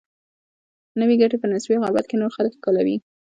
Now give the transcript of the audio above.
نوي ګټې په نسبي غربت کې نور خلک ښکېلوي.